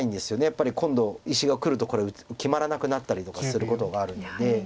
やっぱり今度石がくるとこれ決まらなくなったりとかすることがあるので。